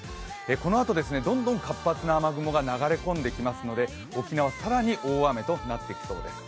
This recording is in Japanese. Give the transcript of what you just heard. このあと、どんどん活発な雨雲が流れ込んできますので沖縄、更に大雨となってきそうです